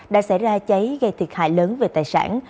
đã xảy ra cháy gây thiệt hại lớn về tài sản